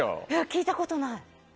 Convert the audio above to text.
聞いたことない。